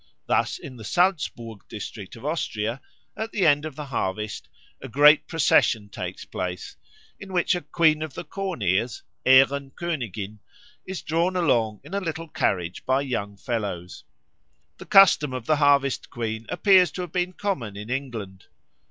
Thus, in the Salzburg district of Austria, at the end of the harvest a great procession takes place, in which a Queen of the Corn ears (Ährenkönigin) is drawn along in a little carriage by young fellows. The custom of the Harvest Queen appears to have been common in England.